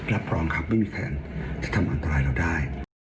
รับรองครับไม่มีแฟนจะทำอันตรายเราได้